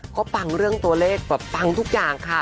ก็ปังเรื่องตัวเลขแบบปังทุกอย่างค่ะ